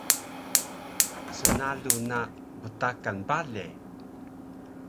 snalu na btakan bale